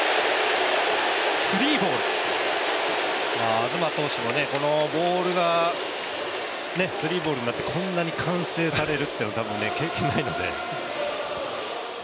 東投手もこのボールがスリーボールになってこんなに歓声されるという経験はないので。